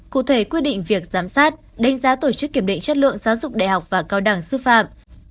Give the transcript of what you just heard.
cụ thể quy định việc giám sát đánh giá tổ chức kiểm định chất lượng giáo dục đại học và cao đẳng sư phạm